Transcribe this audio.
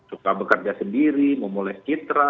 saya suka bekerja sendiri mau mulai citra